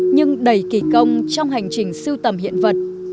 nhưng đầy kỳ công trong hành trình sưu tầm hiện vật